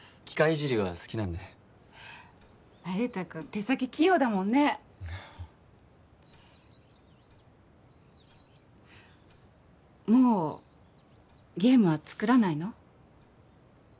いじりは好きなんで那由他君手先器用だもんねもうゲームは作らないの？